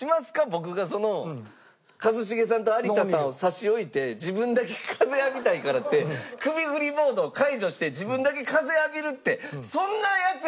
僕がその一茂さんと有田さんを差し置いて自分だけ風浴びたいからって首振りモードを解除して自分だけ風浴びるって。